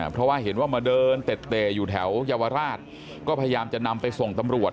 เพราะว่าเห็นว่ามาเดินเต็ดเตะอยู่แถวเยาวราชก็พยายามจะนำไปส่งตำรวจ